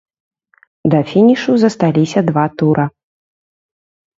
Да фінішу засталіся два тура.